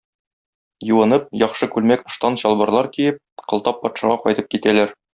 Юынып, яхшы күлмәк-ыштан, чалбарлар киеп, Кылтап патшага кайтып китәләр.